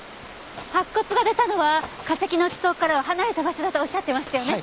白骨が出たのは化石の地層からは離れた場所だとおっしゃってましたよね？